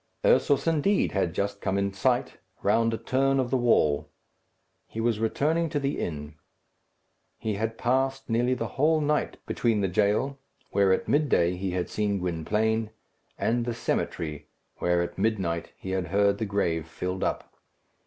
Ursus, indeed, had just come in sight, round a turn of the wall. He was returning to the inn. He had passed nearly the whole night between the jail, where at midday he had seen Gwynplaine, and the cemetery, where at midnight he had heard the grave filled up.